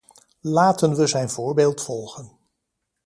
Laten we zijn voorbeeld volgen.